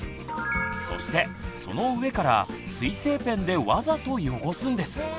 そしてその上から水性ペンでわざと汚すんです。